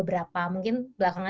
ada yang bahkan nggak harus sama sama